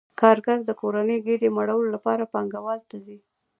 کارګر د کورنۍ ګېډې مړولو لپاره پانګوال ته ځي